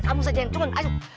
kamu saja yang turun aja